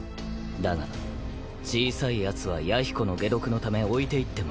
だが小さいやつは弥彦の解毒のため置いていってもらう。